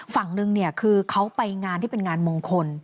ฝั่งหนึ่งเนี่ยคือเขาไปงานที่เป็นงานมงคล